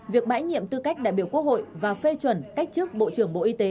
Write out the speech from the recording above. việc bãi nhiệm tư cách đại biểu quốc hội và phê chuẩn cách chức bộ trưởng bộ y tế